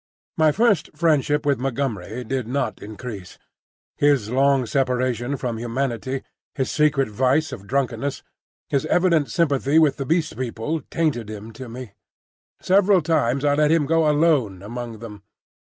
My first friendship with Montgomery did not increase. His long separation from humanity, his secret vice of drunkenness, his evident sympathy with the Beast People, tainted him to me. Several times I let him go alone among them.